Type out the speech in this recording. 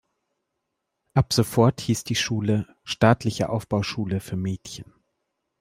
Ab sofort hieß die Schule „Staatliche Aufbauschule für Mädchen“.